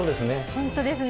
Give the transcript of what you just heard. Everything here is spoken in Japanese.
本当ですね。